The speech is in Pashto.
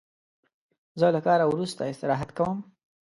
زه له کاره وروسته استراحت کوم.